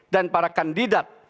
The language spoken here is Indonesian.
dan para kandidat